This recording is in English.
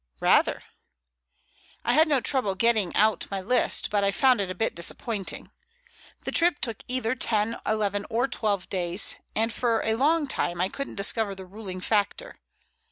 "Rather." "I had no trouble getting out my list, but I found it a bit disappointing. The trip took either ten, eleven, or twelve days, and for a long time I couldn't discover the ruling factor.